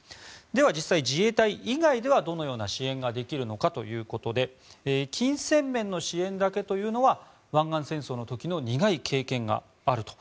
では、実際自衛隊以外ではどのような支援ができるのかということで金銭面の支援だけというのは湾岸戦争の時の苦い経験があると。